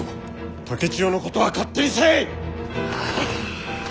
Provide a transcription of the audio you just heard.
竹千代のことは勝手にせい！